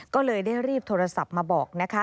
ก็เลยได้รีบโทรศัพท์มาบอกนะคะ